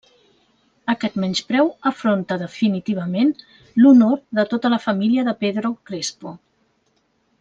Aquest menyspreu afronta definitivament l'honor de tota la família de Pedro Crespo.